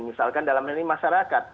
misalkan dalam hal ini masyarakat